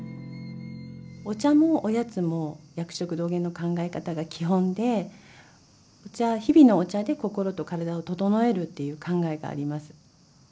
お茶もおやつも薬食同源の考え方が基本で日々のお茶で心と体をととのえるっていう考えがあります。